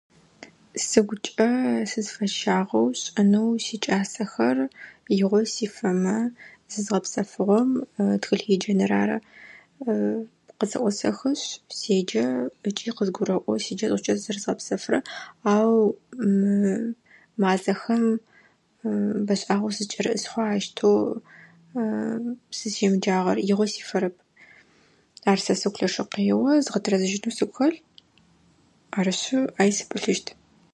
Сыгукӏэ сызфэщагъэу сшӏэнэу сикӏасэхэр игъо сифэмэ, зызгъэпсэфыгъом: тхылъ еджэныр ары. Къызэӏусэхышъ седжэ, ыкӏи къызгурэӏо седжэ зыхъукӏэ зызэрэзгъэпсэфырэ. Ау мазэхэм бэшӏагъэу сыкӏэрыӏыстхьэу ащтэу сыземыджагъэр. Игъо сифэрэп. Ар сэ лъэшэу сыгу къео. Згъэтэрэзыжьынэу сыгу хэлъ. Арышъы, ай сыпылъыщт.